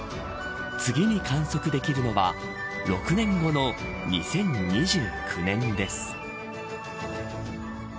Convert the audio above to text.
次に観測できるのは６年後の２０２９年です。